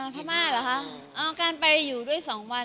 พระม่ารู้หะการไปอยู่ด้วย๒วัน